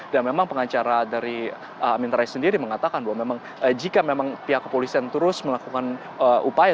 dan memang pengacara dari amin rais sendiri mengatakan bahwa memang jika memang pihak kepolisian terus melakukan upaya